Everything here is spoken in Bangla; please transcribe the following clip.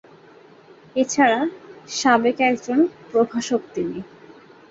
এছাড়া সাবেক একজন প্রভাষক তিনি।